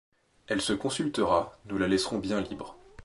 Elle se consultera, nous la laisserons bien libre.